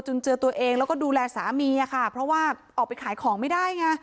เจอตัวเองแล้วก็ดูแลสามีอะค่ะเพราะว่าออกไปขายของไม่ได้ไง